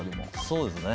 そうですね。